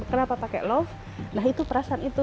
kenapa pakai love nah itu perasaan itu